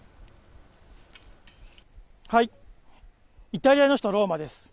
イタリアの首都ローマです。